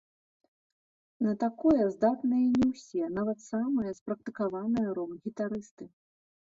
На такое здатныя не ўсе, нават самыя спрактыкаваныя рок-гітарысты!